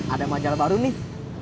ada majal baru nih